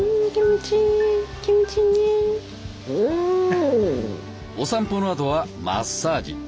お散歩のあとはマッサージ。